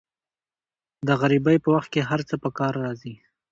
د غریبۍ په وخت کې هر څه په کار راځي.